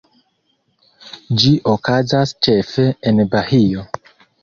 Ĝi okazas ĉefe en Bahio.